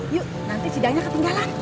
yuk nanti cidanya ketinggalan